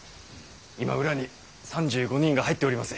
今裏に３５人が入っております。